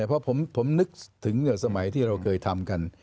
เพราะผมนึกถึงสมัยที่เราเคยทำกัน